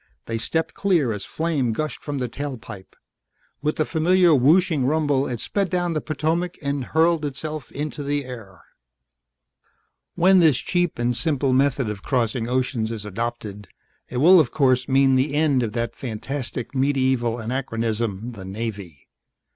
They stepped clear as flame gushed from the tail pipe; with the familiar whooshing rumble it sped down the Potomac and hurled itself into the air. "When this cheap and simple method of crossing oceans is adopted, it will of course mean the end of that fantastic medieval anachronism, the Navy.